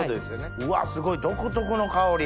うわすごい独特の香り。